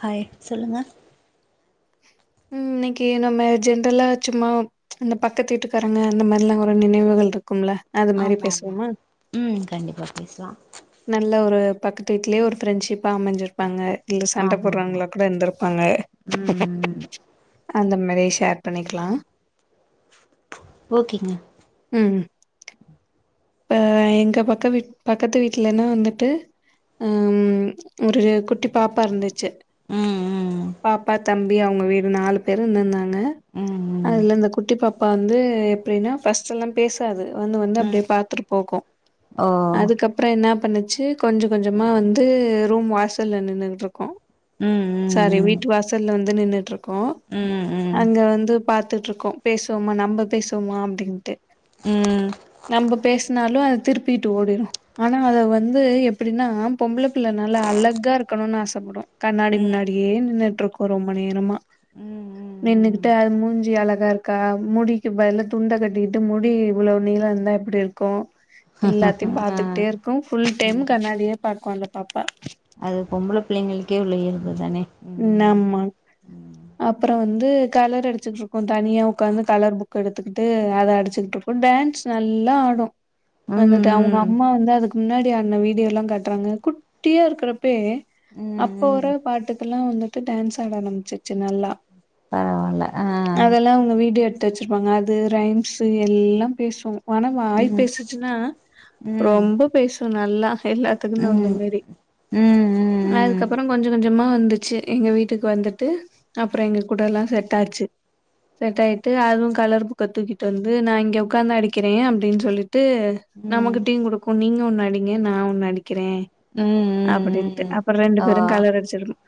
Hi சொல்லுங்க. ம் இன்னைக்கு நம்ம ஜென்ரலா சும்மா இந்த பக்கத்து வீட்டுக்காரங்க அந்த மாரிலா ஒரு நினைவுகள் இருக் க்கும்ல அது மாரி ஆமா ஆமா பேசுவோமா? ம் கண்டிப்பா பேசலா நல்ல ஒரு பக்கத்து வீட்லயே ஒரு ஃப்ரெண்ட்ஷிப்பா அமஞ்சிருப்பாங்க. இல்ல சண்ட ஆமா ஆமா போட்றாங்களா கூட இருந்திருப்பாங்க ம் ம் அந்த மாரி கேர் பண்ணிக்லா ஓகேங்க ம் ஆ எங்க பக்க வி பக்கத்து வீட்லேலா வந்துட்டு அம் ஒரு குட்டி பாப்பா இருந்துச்சு ம் ம் பாப்பா தம்பி அவுங்க வீடு நாலு பேரு இருந்திருந்தாங்க. ம் ம் அதுல இந்த குட்டி பாப்பா வந்து எப்டின்னா ஃபஸ்ட்டெல்லா பேசாது வந்து வந்து ம் அப்டியே பா த்துட்டு போகு ஓ அதுக்கப்றோ என்ன பண்ணுச்சு கொஞ்ச கொஞ்சமா ம் வந்து ரூம் வாசல்ல நின்னுகிட்டுருக்கு ம் சாரி ம் வீட்டு வாசல்ல வந்து நின்னுட்டுருக்கு. ம் ம் அங்க வந்து பாத்துட்டுருக்கு பேசுவோமா நம்ப‌ பேசுவோமா அப்டின்னுட்டு ம் பேசுனாலு அது திருப்பிட்டு ஓடிடூ ஆனா அத வந்து எப்டின்னா பொம்பள பிள்ளனால அழக கா இருக்கணுனு ஆசப்படு கண்ணாடி முன்னாடியே நின்னுட்டுருக்கு ரொம்ப நேரமா ம் ம் நின்னுக்கிட்டு அது மூஞ்சி அழகா இருக்கா முடிக்கு பதுலா துண்ட கட்டிக்ட்டு முடி இவ்ளோ நீ ளோ இருந்தா எப்டிரு க்கு எல்லாத்தையு ம் ம் ஆ பாத்துக்கிட்டே இருக்கு ஃபுல் டைம் ம் கண்ணாடியே பாக்கு அந்த பாப்பா அது பொம்பள பிள்ளைங்களுக்கே உள்ள இயல்பு‌ தானே ம் ம் அப்பறொ வந்து கலர் அடிச்சுட்டுருக்கு தனியா உட்காந்து கலர் புக் எடுத்துக்கிட்டு அத அடிச்சுக்ட்டுருக்கு டே டேன்ஸ் நல்லா ஆடு வந்துட்டு அவங்க ம் ம் அம்மா வந்து அதுக்கு முன்னாடி ஆடுன வீடியோ எல்லா காட்டுறாங்க குட்டியா இருக்கறப்பே ம் அப்போ ம் வர பாட்டுக்கெல்லா வந்துட்டு டான்ஸ் ஆட ஆரம்பிச்சிச்சு நல்லா பரவால்ல ஆ அதெல்லா அவங்க வீடியோ எடுத்து வச்சிருப்பாங்க அது ரைம்ஸ் எல்லாம் பேசும் ஆனா வாய் ம் பேசிச்சுன்னா ம் ரொம்ப பேசு நல்லா எல்லாத்துக்கு ம் தகுந்த ம் மாரி ம் அதுக்கப்புறோ கொஞ்ச கொஞ்சமா வந்துச்சு எங்க வீட்டுக்கு வந்துட்டு அப்புறோ எங்க கூட எல்லா செட் ஆச்சு செட் ஆயிட்டு அதுவு கலர் புக்க தூக்கிட்டு வந்து நா இங்க உக்காந்து அடிக்கிறே அப்டின் சொல்லி ட்டு ம் ம் நமக்கு டீம் கொடுக்கு நீங்க ஒன்னு அடிங்க நா ஒன்னு அடிக்கிறே ம் ம் அப்டின்ட்டு ம் அப்பற ரெண்டு ஆ பேரு கலர் அடிச்சிக்குன்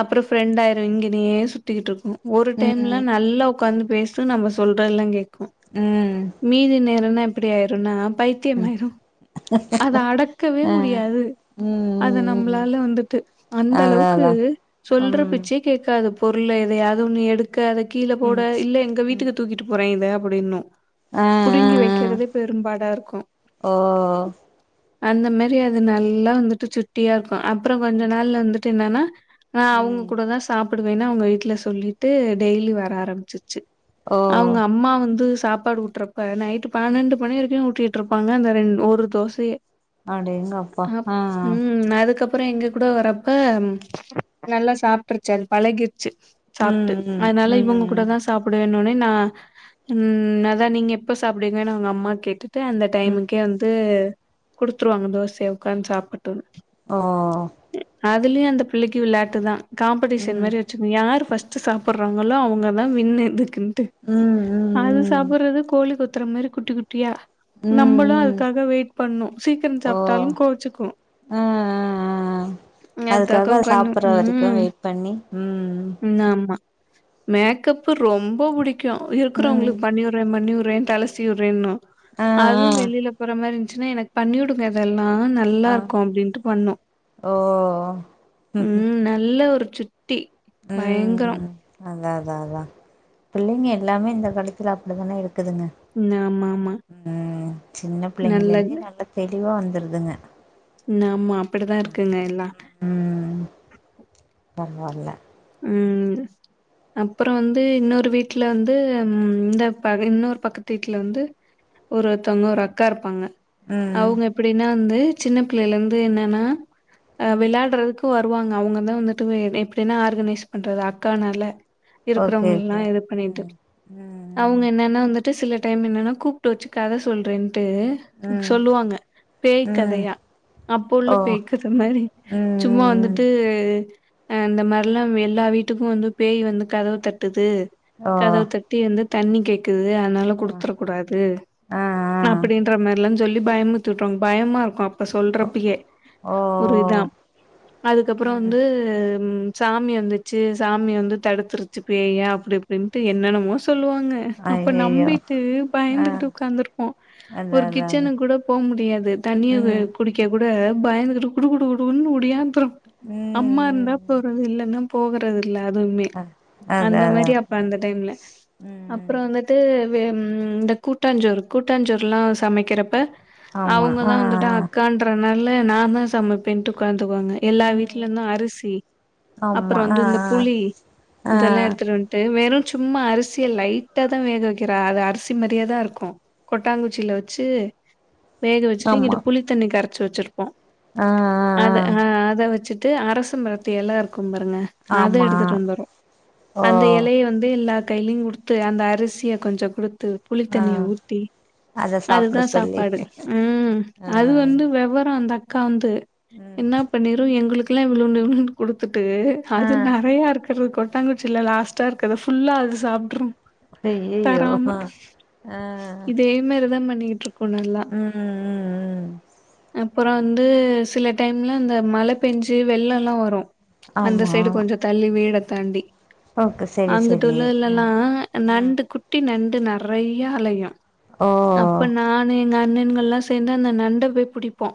அப்றோ ஃப்ரெண்ட் ஆயிரு எங்கிடயே சுத்திக்கிட்டு இருக்கு ஒரு டைம்லா ம் நல்லா உக்காந்து பேசு நம்ம சொல் றல்லா கேக்கு ம் மீதி நேரம்ன இப்டி ஆயிரு து நா ம் பைத்தியமாயிரு அத அடக்கவே ஆ முடியாது ம் அத ம் ம் நம்மளால வந்துட்டு அந்த அதா அளவுக்கு அதா சொல்ற ம் பேச்சே கேக்காது பொருள் எ தையாவது ஒண்ணு எடுக்க அத கீழே ம் போட இல்ல எங்க ம் வீட்டுக்கு தூக்கிட்டு போறே இத அப்டின்னு ஆ புடுங்கி ஆ வைக்கிறதே பெரும்பாடா இருக்கு ஆ அந்த மாரி அது நல்லா வந்துட்டு சுட்டியா இருக்கு அப்புறோ கொஞ்ச நாள்ல வந்துட்டு என்னன்னா ஆ அவங்க கூட தா சாப்புடுவேன்னா அவங்க வீட்ல சொல்லிட்டு டெய்லி வர ஆரம்பிச்சிச்சு ஓ அவங்க அம்மா வந்து சாப்பாடு ஊட்றப்ப நைட்டு பன்னெண்டு மணி வரைக்கு ஊட்டிட்டு இருப்பாங்க அந்த ரெண் ஒரு தோசைய அடேங்கப்பா அ ஆ ம் அதுக்கப் புறோ எங்க கூட வரப்ப நல்லா சாப்ட்டுருச்சு அது பழகிரு ச்சு சாப்ட்டு ம் ம் அதனால இவங்க கூட ம் தா சாப்புடுவேணோனே நா ம் அதா நீங்க எப்ப சாப்பிடுவீங்கன்னு அவங்க அம்மா கேட்டு ட்டு அந்த ம் டைமுக்கே வந்து குடுத்துருவாங்க தோசைய உக்கான் சாப்புடுன் ஓ அதுலயு அந்த பிள்ளைக்கு விளாட்டு தா காம்படிஷன் ம் மாரி வச்சுக்கு யார் ஃபஸ் ட்டு சாப்புடுறாங்களோ அவங்கதா வின்னர் இதுக்குன்ட்டு ம் அது ம் சாப்புடுறது கோழி கொத் துற மாரி குட்டி குட்டியா நம்மளு ம் அதுக்காக வெயிட் பண்ணு சீக்கிர ஓ சாப்ட்டாலு கோவிச்சுக்கு அ தக்க அதுக்காக கண்ணு சாப்புற வரைக்கு ம் வெயிட் பண்ணி ம் ஆமா மேக்கப்பு ரொம்ப புடிக்கு ம் இருக்குறவங்களுக்கு பண்ணி உட்றே பண்ணி உட்றே தல சீவ்ரேணு ஆ அதுவு ஆ வெளியில போற மாரி இருந்ச்சுன்னா எனக்கு பண்ணி வுடுங்க அதெல் நா நல்லா ஆ இருக்கு அப்டின்ட்டு பண்ணோ ஓ ம் நல்ல ஒரு சுட்டி பயங்கறோ அதா அதா அதா பிள்ளைங்க எல்லாமே இந்த காலத்துல அப்டிதானே இருக் தூங்குங்க ஆமாமா. அ சின்ன பிள்ளைங்கள நல்லது. இருந்து நல்ல தெ ளிவா வந்துடுதுங்க ஆமா அப்டித்தா இருக்குங்க எல்லா பரவாயில்ல ம் அப்பறோ வந்து இன்னொரு வீட்ல வந்து ம் இந்த ப இன்னொரு பக்கத்து வீட்ல வந்து ஒருதவங்க ஒரு அக்கா இருப்பாங்க ம் அவுங்க எப்டின்னா வந்து சின்ன பிள்ளையில இருந்து என்னன்னா அ ம் வெளையாடுறதுக் கு வருவாங்க அவங்கதா வந்துட்டு வெ எப்டின்னா ஆர்கனைஸ் பண்றது அக்கானால ஓகே இருக்கறவங்க எல்லா ஓகே இது பண்ணிட்டு ம் ம் அவங்க என்னன்னா வந்து ட்டு சில டைம் என்னன்னா கூப்ட்டு வெச்சு கத சொல்றேன் ட்டு ம் ம் சொல்லுவாங்க பேய் ம் கதையா அப்போ உள்ள ஓ பேய்கத மாரி ம் சும்மா ம் வந்துட்டு ஆ இந்த மாரிலா எல்லா வீட்டுக்கு வந்து பேய் வந்து கதவ தட்டுது ஓ கதவ தட்டி வந்து தண்ணி கேக்குது அனால ஆ குடுத்துற கூடாது ஆ ஆ அப்டின்ற மாரிலா சொல்லி பயமூத்தி உட்ருவாங்க பயமா இருக்கு அப் ப ஓ சொல்றப்பயே ஓ ஒரு இதா அதுக்கப்புறோ ம் வந்து சாமி வந்துச்சு சாமி வந்து தடுத்துருச்சு பேயா அப்டி இப்டின்ட்டு என்னன்னமோ சொல்லுவாங்க அப்ப அய்யய்யோ நம்பிட்டு ஆ பயந்துகிட்டு உக்காந்துருப்போ அதா ஒரு அதாங்க கிச்சனுக் கூட போ முடியாது தண்ணிய வ ம் குடிக்க கூட ப பயந்துகிட்டு குடு குடு குடு குடுன்னு ஒடியாந்ருப் அம்மா ம் இருந்தா போ இல்லன்னா போகறது ல அதுமே அ அதா அந்த அதா மாரி அப்ப அந்த டைம்ல ம் அப்பறோ வந்துட்டு வே இந்த கூட்டாஞ்சோறு கூட்டாஞ்சோறுலா சமைக்கிறப்ப ஆமா அவுங்க ஆ தா வந்துட்டு ஆ அக்கான்றனா ல நா தா சமப்பேண்ட்டு உக்காந்துகுவாங்க எல்லா ம் வீட்ல இருந்து அரிசி ஆமா அப்பறோ ஆ வந்து இந்த புளி ஆ இதல்லா எடுத்துட்டு வந்ட்டு வெறு சும்மா அரிசிய லைட்டா தா வேக வக்கிறா அது அரிசி மாரியேதா இருக்கு கொட்டாங்குச்சில வச்சு வேக ஆ வச்சுட்டு ஆமா இங்கிட்டு புளித்தண்ணி கரச்சு வச்சுருப்போ ஆ ஆ அத ஆ அ அத வச்சுட் டு அரச மரத்து எல இருக்கு கு பாருங்க அத ஆமா எடுத்துட்டு வந்துரு ஓ அந்த எலய வந்து எல்லா கைலயுங் குடுத்து அந்த அரிசிய கொஞ்ச குடுத்து ஆ புளித்தண்ணிய ஊத்தி அத சாப்ட அதுதா சொல்லி சாப்பாடு ம் ஆ அது வந்து வெவரோ அந்த அக்கா வந்து ம் என்னா பண்ணீரு எங்களுக்கலா இவ்ளூண்டு இவ்ளூண்டு குடுத்துட்டு ஆ அது நெறைய இருக்குறது கொட்டாங்குச்சில லாஸ்ட்டா இருக்கத ஃபுல்லா அது சாப்ட்று ஐயையோ ஆ தராம ஆ இதே மாரிதா பண்ணிக் கு நல்லா ம் ம் ம் அப்பறோ வந்து சில டைம்ல அந்த மழ பேஞ்சு வெள்ளலா வரு அந்த ஆமா சைடு கொஞ்ச தள்ளி வீட தாண்டி ஓகே செரி அங்குட்டு செரி உள்ள அ இலலா ம் நண்டு குட்டி நண் டு நெறைய அலயு ஓ அப்ப நானு எங்க அண்ணன்கள்லா சேந்து அந்த நண்ட போய் புடிப்போ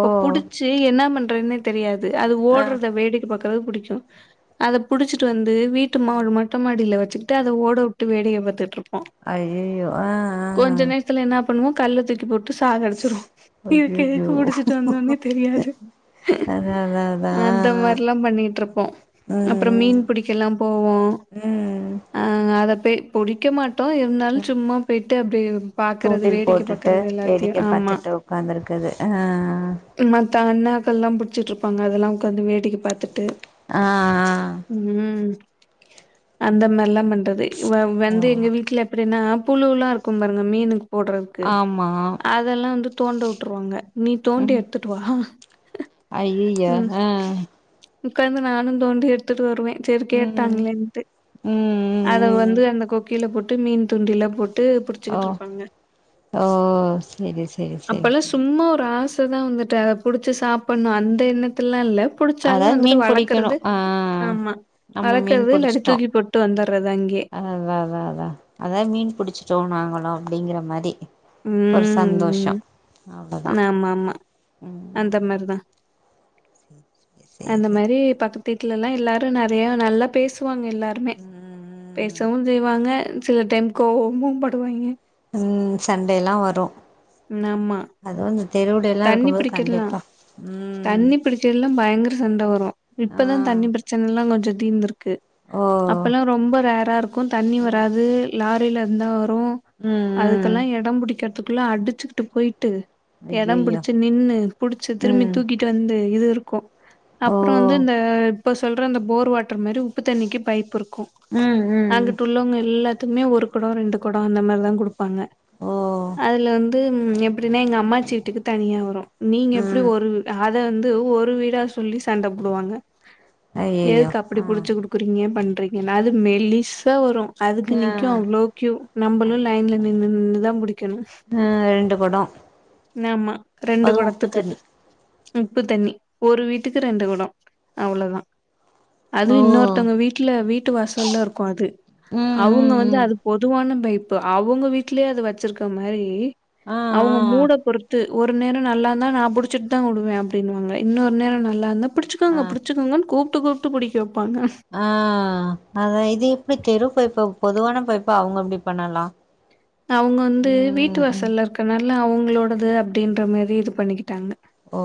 ஓ புடிச்சு என்ன பண்றதுன்னே தெரியாது அது ஆ ஓட்றத வேடிக்க பாக்குறது புடிக்கு அத புடிச்சுட்டு வந் து வீட்டு மா மொட்டமாடில வச்சுகிட்டு அத ஓட வுட்டு வேடிக்க பாத்துட்டு இருப் போ ஐயையோ ஆ கொஞ்ச ஆ நேரத்துல என்னா பண்ணுவோ கல்ல தூக்கி போட் டு சாகடுச்சுருவோ இதுக்கு அய்யய்யோ எதுக்கு புடிச்சுட்டு வந்தோனே தெரியாது அதா அதா அதா அந்த மாரில்லா பண்ணிட்டு இருப்போ அப்பறோ ம் மீன் புடிக்கல்லா போவோ ம் பெ பொடிக்க மாட்டோ இருந்தாலு ம் சும்மா பேய்ட்டு அப்டியே பாக்குறது தூண்டில் வேடிக்க போட்டுட்டு பாக்குறது எல்லாத்தையு வேடிக்க ஆமா பாத்துட்டு உக்காந்துருக்குது ஆ ம மத்த அண்ணாக்கள்லா புடிச்சுட்ருப்பாங்க அதல்லா உக்காந்து வேடிக்க பாத்துட் டு ஆ ம் அந்த மாரில்லா பண்றது வ ஆ வந்து எங்க வீட்ல எப்டினா புழுல்லா இருக்கும் பாருங்க மீனு போட்றதுக்கு ஆமா அதல்லா வந்து தோண்ட வுட்ருவாங்க நீ தோண்டி ம் எடுத்துட்டு வா ஐய்யய்ய ம் அ உக்காந்து நானு தோண்டி எடுத்துட்டு வருவே சேரி ம் ம் கேட்டாங்களேன்ட்டு ம் அத வந்து ம் அந்த கொக்கில போட்டு மீன் தூண்டில போட் டு ஓ புடிச்சுக்கிட்டு இருப்பாங்க ஓ செரி செரி செரி அப்பல்லா செரி சும்மா ஒரு ஆச இப்ப தா வந்துட்டு அத புடுச்சு சாப்பன்ணு அந்த எண்ணத்துலலா இல்ல புடிச்சாலு அதாவது வந்துட்டு மீன் புடிக்கணு வளக்கறது ஆ ஆ ஆ ஆமா நம்ம மீன் வளக்கறது இல்லாட்டி புடிச்சுட்டோ தூக்கி போட்டு வந்துர்றது அங்கயே அதா அதா அதா அதா அதா மீன் புடுச்சுட்டோ நாங்களு அப்டிங்கிற மாரி ஒரு ம். சந்தோஷோ அவ்ளோதா ஆமா ஆமா ம் அந்த மாரிதா சேரி அந்த சேரி மாரி பக்கத்து வீட்லல்லா எல்லாரு நெறைய நல்லா பேசுவாங் எல்லாருமே ம் பேசவு செய்வாங்க சில டைம் கோவமு படுவாய்ங்க ம் சண்டேல்லா வரு ஆமா. அது வந்து தண்ணி புடிக்கற்லா ம் தண்ணி புடிக்கறதுல்லா பயங்கர சண்ட வரு ஆ இப்பதா தண்ணி ப்ரச்சனல்லா கொஞ்ச தீந்திருக்கு ஓ அப்பல்லா ரொம்ப ரே ராருக்கு தண்ணி ம் வராது லாரில இருந்தா வ ரு ம் ம் அதுக்கெல்லா எடோ புடிக்ற்துக்குள்ள அடிச்சுக்கிட்டு போயிட்டு எட ஐயையோ புடிச்சு நின்னு புடிச்சி திரும்பி ம் தூக்கிட்டு வந்து இது இருக்கு ஓ அப்றோ வந்து இந்த இப்ப சொல்ற இந்த போர் வாட்டர் மாரி உப்பு தண்ணிக்கு பைப் இருக்கு கு ம் ம் அங்க துள்ளவங்க எல்லாத்க்குமே ஒரு குடோ ரெண்டு கொடோ அந்த மாரி தா குடு ப்பாங்க ஓ அதுல வந்து ம் எப்டின்னா எங்க அம்மாச்சி வீட்டுக்கு தனியா வரு நீங்க எப்டி ம் ஒரு அத வந்து ஒரு வீடா சொல்லி சண்ட போடுவாங்க ஐயையோ எதுக்கு அப்டி ஆ புடிச்சி குடுக்குறீங்க பண் றீங்க னது மெலிசா வரு அதுக்கு ஆ நிக்கு அவ்ளோ க்யூ நம்பளு லைன்ல நின் னு தா புடி ம் ரெண்டு கொடோ னாமா ரெண்டு அதுவு உப்பு கொடத்துக்கு தண்ணி உப்பு தண்ணி ஒரு வீட்டுக்கு ரெண்டு கொடோ அவ்ளோதா ஓ அது இன்னொருத்தவங்க வீட்ல வீட்டு வாசல்ல இருக்கு அது ம் அவுங்க ம் வந்து ம் அது பொதுவான பை ப்பு அவுங்க வீட்லயே அத வச்சிருக்க மாரி ஆ அவுங்க மூட பொருத்து ஒரு நேரோ நல்லாருந்தா நா புடிச்சிட் தா வுடுவே அப்டின்னுவாங்க இன்னொரு நேரோ நல்லாந்தா ஆ ஆ பிடிச்சிக்கோங்க பிடிச்சிக்கோங்கன் கூப்ட்டு கூப்ட்டு புடிக்க வெ ஆ அத இது இப்டி தெரு பைப்ப பொதுவான பைப்ப அவுங்க அப்டி பண்ணலா அவுங்க வந்து வீட்டு ம் ம் வாசல்ல இருக்கனால அவுங்களோடது அப்டின்ற மாரி இது பண்ணிக்கிட்டாங்க ஓ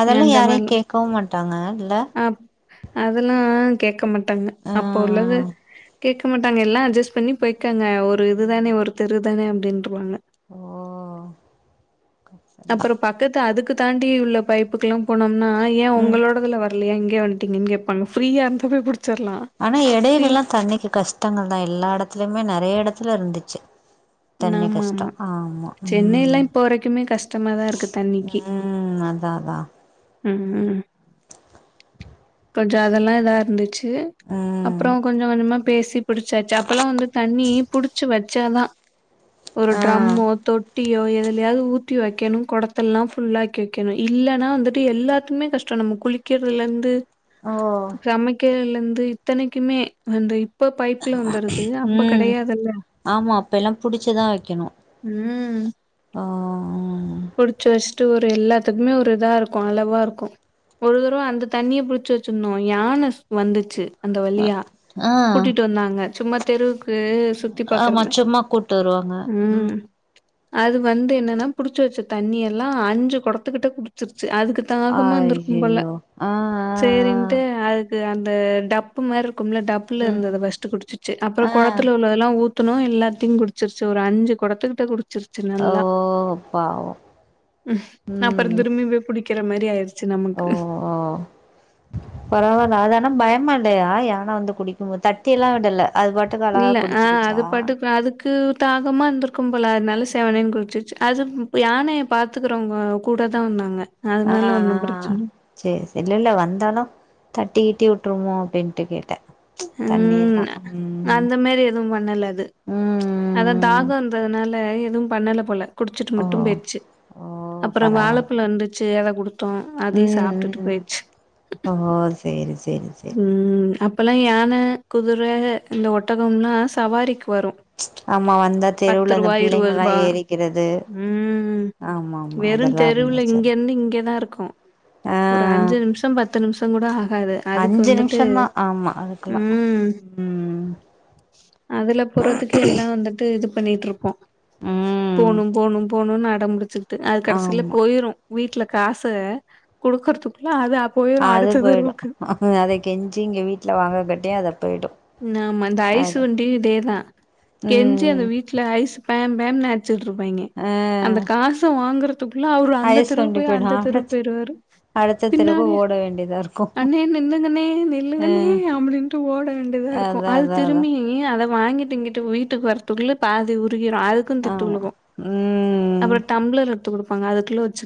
அதெல்லா அந்த யாரையு கேக்கவு மாட்டாங்க இல்ல அதெல்லா கேக்க மாட்டாங்க ஆ அப்ப உள்ளது கேக்க மாட்டாங்க எல்லா அஜெஸ் பண்ணி போய் டாங்க ஒரு இதுதானே ம் ஒரு தெரு தானே அப்டின்ருவாங்க ஓ. அப்றோ பக்கத்து அதுக்கு தாண்டி உள்ள பைப்புக்கெல்லா போனோம்னா ஏ ம் உங்களோடதுல வரலயா இங்க இங்க வன்ட்டீங்கன் கேப்பாங்க ஃப்ரீயா அங்க போய் புடி ஆனா எடையில எல்லா தண்ணிக்கு கஷ்டங்கள் தா எல்லா எடத்லியுமே நெறைய எடத்துல இருந்துச்சு தண்ணி கஷ்டோ ஆமா சென்னைல்லா ம் இப்போ வரைக்குமே கஷ்டமாதா இருக்கு தண்ணிக்கு ம் அதா அதா ம் ம் கொஞ்ச அதெல்லா இதா இருந்துச்சு து ம் அப்றோ கொஞ்சோ கொஞ்சமா பேசி புடிச்சாச்சா அப்பல்லா வந்து தண்ணி புடிச்சி வச்சாதா ஒரு ஆ ட்ரம்மோ தொ ட்டியோ எதுலயாது ஊத்தி வைக்கணு கொடத்தெல்லா ஃபுல்லாக்கி வெக்கிணு இல்லனா வந்துட்டு எல்லாத்துக்மே கஷ்டோ நம்ம குளிக்கிறலந்து ஓ சமைக்கிறலந்து இத்தனைக்குமே அந்த அப்ப பைப்ல வந்துருது அப்ப கெடையாதுல்ல புடிச்சிதா வெக்கணு ம் அ ஸ்ட்டு ஒரு எல்லாத்துக்மே ஒரு இதாருக்கு அளவா இருக்கு ஒரு தடவ அந்த தண்ணிய புடிச்சி வச்சிருந்தோ யான வந்துச்சு அந்த வழியா ஆ கூட்டிட்டு வந்தாங்க சும்மா தெரு ஆமா சும்மா கூட்டு வருவாங்க ம் அது வந்து என்னன்னா புடிச்சி வச்ச தண்ணி எல்லா அஞ்சு கொடத்துக்கிட்ட குடிச்சிருக் ச்சு அதுக்கு தாகமா இந்திருக்கு போல ஐயையோ ஆ ஆ ஆ செரின்ட்டு அதுக் கு அந்த டப்பு மாரி இருக்கும்ல டப்புல ம் இருந்தத ஃபஸ்ட் குடிச்சிர்ச்சு அப்றோ ஆ கொளத்துல உள்ளதெல்லா ஊத் துனு எல்லாத்தியு குடிச்சிருச்சு ஒரு அஞ்சு கொடத்துக்கிட்ட குடி ச்சிருச்சு ஓ நல்லா பாவோ ம் அப்றோ ம் திரும்பி போய் புடிக்கிற மாரி ஆயிருச் ஓ ஓ பரவால்ல அதானா பயமா இல்லையா யா லா வந்து குடிக்குபோத் தட்டிலா விடல அது பாட்டுக் அழகா இல்ல ஆ அது குடிச்சிகிச்சா கு போல அத்னால செவனேனு குடிச்சிர்ச்சு அது ப் யானைய பாத்துக்குறவுங்க கூட தா வந்தாங்க ஆ அதனால ஒன்னு ஆ பிரச்சன இல்ல. சேரி சேரி இல்ல இல்ல வந்தாலு தட்டிக்கிட்டி வுட்ருமோ அப்டின்ட்டு கேட்ட உம் அந்த மேரி எதுவு பண்ணல அது ம்ச் அதா ம் தாகம்ன்றதுனால எதுவு பண்ணல போல குடிச்சிட்டு ஓ மட்டு போய்ருச்சி ஓ அப்பறோ பரவால்ல வாழப்பழோ இருந்துச்சு அத குடு த்தோ அதையு ம் சாப்டுட்டு ம் போய்ருச்சு ஓ சேரி சேரி சேரி உம் அப்பல்லா யான குதிர இந்த ஒட்டகம்லா சவாரிக்கு வரு ஆமா வந்தா பத்து தெருவுல அந்த ரூபா இருபது பிள்ளைங்கல்லா ரூபா ஏறிக்கிறது உம் ஆமா ஆமா வெறும் அதெல்லா தெ தெருவுல இருந்துச்சு இங்க இருந்து இங்கதா இருக்கு ஆ ஒரு அஞ்சு நிம்ஷோ பத்து நிம்ஷோ கூட ஆகாது அதுக்கு அஞ்சு வந்துட்டு நிமிஷந்தா ஆமா அதுக்கெல்லா உம் ம் அதுல போறதுக்கு எல்லா வந்துட்டு இது பண்ணிட்டுருப்போ ம் போணு போணு போணுனு அடம் புடிச்சுகிட்டு அது கடசில ஆமா போயிரு வீட்ல காச குடுக்கறதுக்குள்ள அது அப் அது போயிடு அத கெஞ்சி இங்க வீட்ல வாங்காக்கிட்டியு அத ஆமா இந்த ஐஸ் வண்டி இதேதா கெஞ்சி அத ம் வீட்ல ஐஸ் ஃபேம் பேம் அச்சிட்டு இருப்பாய்ங்க ம் அந்த ஆ காச வாங்குறதுக் அதுக்குள்ள அவரு அந்த ஐஸ் தெருவு வண்டி போய் போயிடு அந்த தெருவு அடுத் போயிருவாரு அடுத்த தெருவு பின்னாடிய ஓட வேண்டியதா இருக்கு அண்ணே நில்லுங்கண்ணே நில்லுங்கண்ணே ம் அப்டின்டு ஓட வேண்ட இதா இருக்கு அதா அது அதா அதா திரும்பி அத வாங்கிட்டு இங்கிட்டு வீட்டுக்கு வரத்துக்குள்ள பாதி ஊத் திகிரு அதுக்கு திட்டு ஆமா உலுகு ம் அப்பறோ டம்ளர் எடுத்து கொடுப்பாங்க அதுக்குள்ளவச்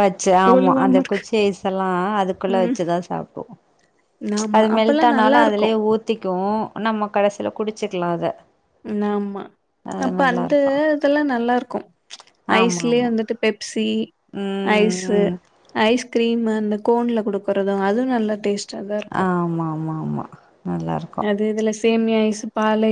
வச்சு ஆமா அந்த குச்சி ஐஸ் எல்லா அதுக்குள்ள ம் வச்சுதா சாப்டுவோ ஆமா அது அப்பல்லா மெல்ட் நல்லா ஆனாலு இருக்கு அதுலயே ஊத்திக்கு நம்ம கடைசியில குடிச்சிக்கலா அத ம் ஆமா அது அப்ப நல்லா அந்த இருக்கு இதெல்லா நல்லா இருக்கு ஆமா ஐஸ்லயே ஆமா வந்துட்டு பெப்சி ம் ஐஸு ம் ஐஸ் கிரீம்மு அந்த கோன்ல குடுக்கறது அதுவு நல்ல டேஸ்ட் ஆஹ் ஆமா ஆமா ஆமா நல்லா இருக்கு அது இதுல சேமியா ஐஸ் பால் ஐ